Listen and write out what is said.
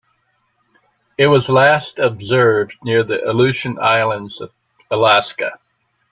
It was last observed near the Aleutian Islands of Alaska.